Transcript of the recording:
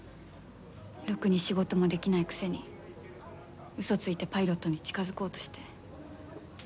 ろくに仕事もできないくせに嘘ついてパイロットに近づこうとして。